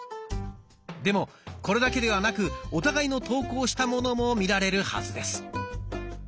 でもこれだけではなくお互いの投稿したものも見られるはずです。